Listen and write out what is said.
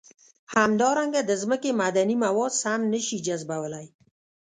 همدارنګه د ځمکې معدني مواد سم نه شي جذبولی.